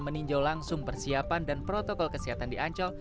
meninjau langsung persiapan dan protokol kesehatan di ancol